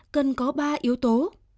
cần có ba yếu tố